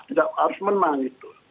tidak harus menang itu